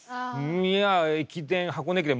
いや駅伝箱根駅伝